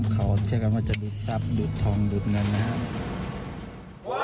เขาเชื่อกันว่าจะดูดทรัพย์ดูดทองดูดเงินนะครับ